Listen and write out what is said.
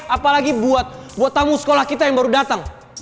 apalagi buat tamu sekolah kita yang baru datang